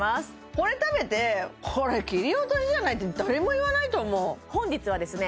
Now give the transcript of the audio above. これ食べてこれ切り落としじゃないって誰も言わないと思う本日はですね